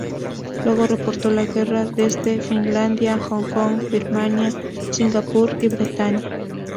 Luego reportó la guerra desde Finlandia, Hong Kong, Birmania, Singapur y Bretaña.